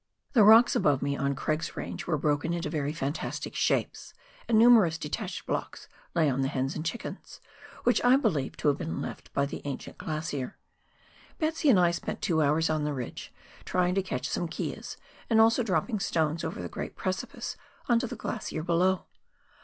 The rocks above me on Craig's Range were broken into very fantastic shapes, and numerous detached blocks lay on the " Hen and Chickens," which I believe to have been left by the ancient glacier. " Betsy " and I spent two hours on the ridge, trying to catch some keas, and also dropping stones over the great precipice on to the glacier below.